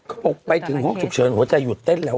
เออไปถึงห้องสุขเชิญหัวใจหยุดเต้นแล้วอ่ะ